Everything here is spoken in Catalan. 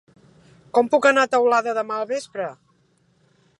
Com puc anar a Teulada demà al vespre?